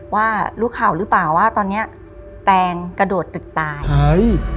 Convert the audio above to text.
ว่ารู้ข่าวหรือเปล่าว่าตอนเนี้ยแตงกระโดดตึกตายเฮ้ย